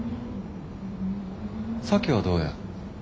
咲妃はどうや？